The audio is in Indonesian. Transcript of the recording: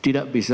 tidak bisa ya